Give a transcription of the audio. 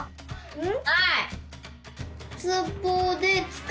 うん。